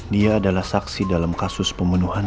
dia adalah saksi dalam kasus pemenuhan roy